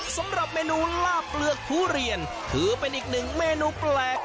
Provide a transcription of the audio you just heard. สำหรับเมนูล่าเปลือกทุเรียนถือเป็นอีกหนึ่งเมนูแปลก